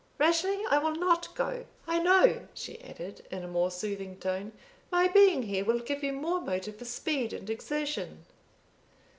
Rashleigh, I will not go; I know," she added, in a more soothing tone, "my being here will give you more motive for speed and exertion."